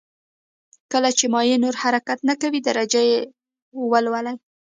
کله چې مایع نور حرکت نه کوي درجه یې ولولئ.